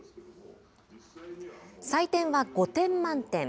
採点は５点満点。